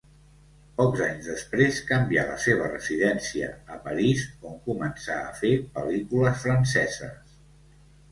Pocs anys després canvià la seva residència a París on començà a fer pel·lícules franceses.